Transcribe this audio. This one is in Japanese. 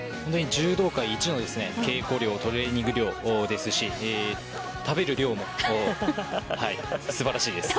柔道界一の稽古量トレーニング量ですし食べる量も素晴らしいです。